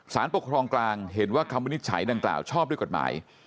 ปกครองกลางเห็นว่าคำวินิจฉัยดังกล่าวชอบด้วยกฎหมาย